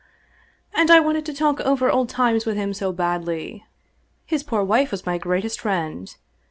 " And I wanted to talk over old times with him so badly. His poor wife was my greatest friend.